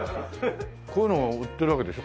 こういうのを売ってるわけでしょ。